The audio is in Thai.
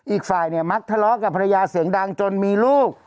อีกฝ่ายเนี่ยมักทะเลาะกับภรรยาเสียงดังจนมีลูก